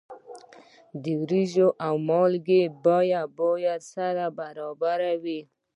د وریجو او مالګې بیه باید سره برابره وي.